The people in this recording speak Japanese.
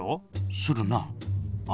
するなあ。